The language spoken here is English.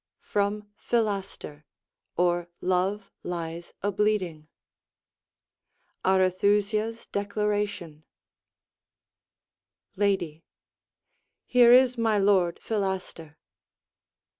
FROM 'PHILASTER, OR LOVE LIES A BLEEDING' ARETHUSA'S DECLARATION Lady Here is my Lord Philaster.